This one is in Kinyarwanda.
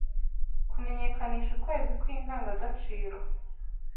Kumenyekanisha ukwezi kw’indangagaciro: